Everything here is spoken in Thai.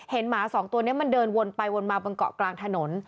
เห็นหมาสองตัวนี้เดินวนไปวนมาบังเกาะกลางถนน